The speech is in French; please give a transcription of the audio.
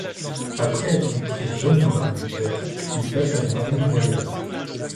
Après être entré jeune dans l'armée de terre, il passe à la Marine royale.